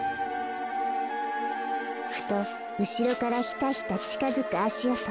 ふとうしろからヒタヒタちかづくあしおと。